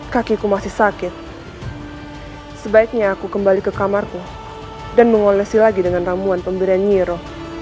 kakiku masih sakit sebaiknya aku kembali ke kamarku dan mengolesi lagi dengan ramuan pemberian nyiro